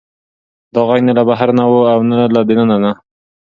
دا غږ نه له بهر نه و او نه له دننه نه.